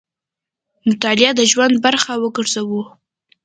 مطالعه د ژوند برخه وګرځوو.